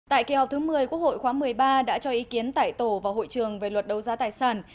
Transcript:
tại kỳ họp thứ một mươi quốc hội khóa một mươi ba đã cho ý kiến tại tổ vào hội trường về luật đấu giá tài sản